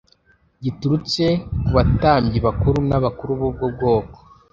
giturutse ku batambyi bakuru n’abakuru b’ubwo bwoko.